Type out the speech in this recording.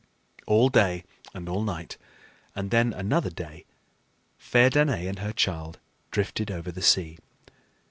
All day and all night and then another day, fair Danaë and her child drifted over the sea.